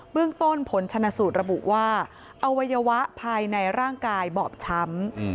เรื่องต้นผลชนะสูตรระบุว่าอวัยวะภายในร่างกายบอบช้ำ